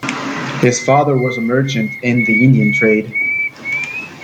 His father was a merchant in the Indian trade.